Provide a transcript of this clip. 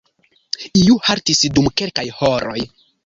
Iu haltis dum kelkaj horoj.